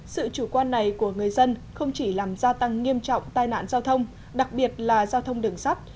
sự chủ quan này của người dân không chỉ làm gia tăng nghiêm trọng tai nạn giao thông đặc biệt là giao thông đường sắt